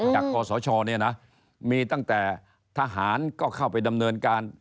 กศชเนี่ยนะมีตั้งแต่ทหารก็เข้าไปดำเนินการ